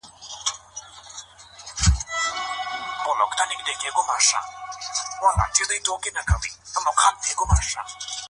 د هلمند د سړکونو جوړول د خلکو لومړنۍ غوښتنه ده.